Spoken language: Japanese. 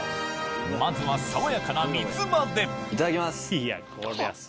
まずは爽やかな三つ葉でいただきます！